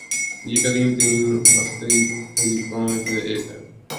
یہ قدیم ترین مسیحی تحریکوں میں سے ایک ہے